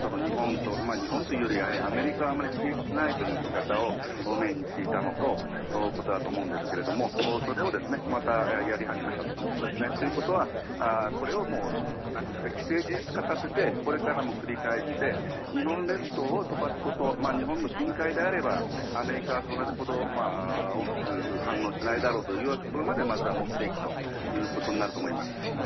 日本というよりはアメリカを刺激しないという撃ち方をメインにしていたということだと思うんですがそれをまたやり始めたということですね。ということはこれを既成事実化させてこれからも繰り返して日本列島を飛ばすこと日本の近海であればアメリカはそれほど大きく反応しないだろうというようなところまでまずは持っていくということになると思います。